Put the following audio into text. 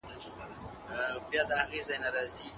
د لرې پښتونخوا